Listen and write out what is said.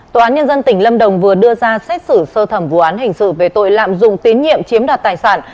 tòa án nhân dân tỉnh lâm đồng vừa đưa ra xét xử sơ thẩm vụ án hình sự về tội lạm dụng tín nhiệm chiếm đoạt tài sản